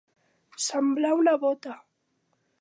Semblar una bota.